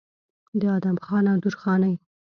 د ادم خان او درخانۍ